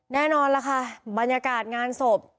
แน่นอนล่ะค่ะบรรยากาศงานศพ